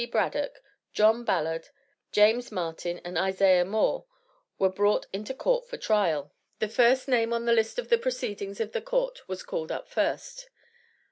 Braddock, John Ballard, James Martin and Isaiah Moore, were brought into court for trial. The first name on the list in the proceedings of the court was called up first.